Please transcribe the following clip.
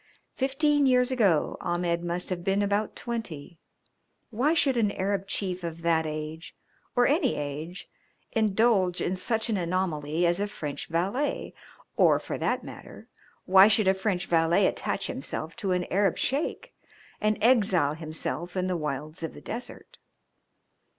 Fifteen years ago Ahmed must have been about twenty. Why should an Arab chief of that age, or any age, indulge in such an anomaly as a French valet, or for that matter why should a French valet attach himself to an Arab Sheik and exile himself in the wilds of the desert?